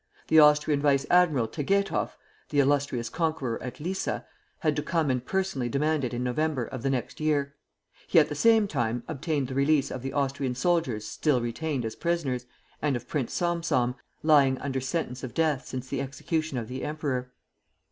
The Austrian Vice admiral Tegethoff (the illustrious conqueror at Lissa) had to come and personally demand it in November of the next year. He at the same time time obtained the release of the Austrian soldiers still retained as prisoners, and of Prince Salm Salm, lying under sentence of death since the execution of the emperor.